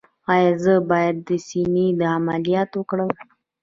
ایا زه باید د سینې عملیات وکړم؟